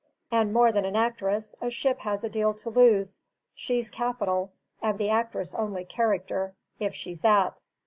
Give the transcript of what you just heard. And more than an actress, a ship has a deal to lose; she's capital, and the actress only character if she's that.